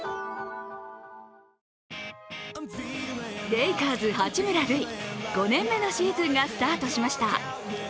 レイカーズ・八村塁５年目のシーズンがスタートしました。